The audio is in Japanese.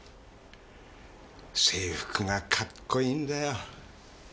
制服がかっこいいんだよ。